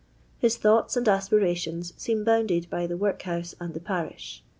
Hit thoughts and aspirations seem bounded by the workhouse and the parish.